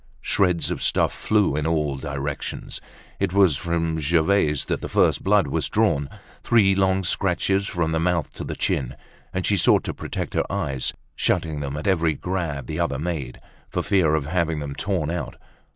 Shreds of stuff flew in all directions. It was from Gervaise that the first blood was drawn, three long scratches from the mouth to the chin; and she sought to protect her eyes, shutting them at every grab the other made, for fear of having them torn out.